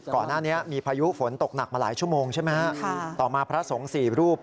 ก่อนหน้านี้มีพายุฝนตกหนักมาหลายชั่วโมงใช่ไหมฮะต่อมาพระสงฆ์สี่รูป